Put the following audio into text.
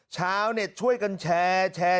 ชาวเน็ตช่วยกันแชร์